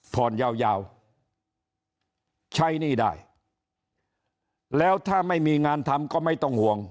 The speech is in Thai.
ผ่อนยาวยาวใช้หนี้ได้แล้วถ้าไม่มีงานทำก็ไม่ต้องห่วง